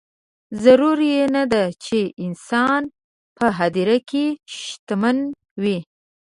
ضروري نه ده چې انسان په هدیره کې شتمن وي.